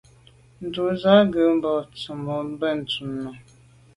Ndù à ghù ze mba tsemo’ benntùn nà.